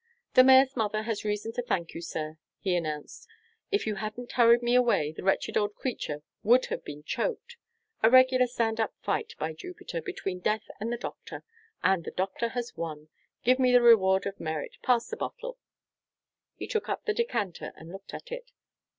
"The Mayor's mother has reason to thank you, sir," he announced. "If you hadn't hurried me away, the wretched old creature would have been choked. A regular stand up fight, by Jupiter, between death and the doctor! and the doctor has won! Give me the reward of merit. Pass the bottle." He took up the decanter, and looked at it.